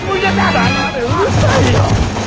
黙れうるさいよ！